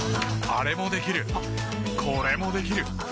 あれもできるこれもできる。